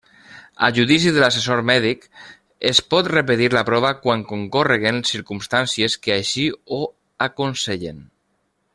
A judici de l'assessor mèdic es pot repetir la prova quan concórreguen circumstàncies que així ho aconsellen.